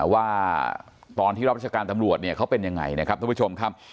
ว่าตอนที่รับราชการตำรวจเนี่ยเขาเป็นยังไงนะครับท่านผู้ชมครับ